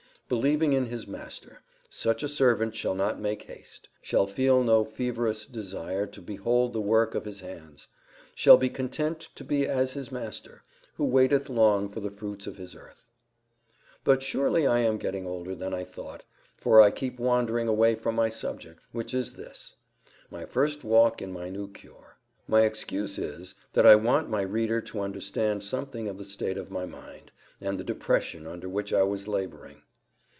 Believing in his Master, such a servant shall not make haste; shall feel no feverous desire to behold the work of his hands; shall be content to be as his Master, who waiteth long for the fruits of His earth. But surely I am getting older than I thought; for I keep wandering away from my subject, which is this, my first walk in my new cure. My excuse is, that I want my reader to understand something of the state of my mind, and the depression under which I was labouring.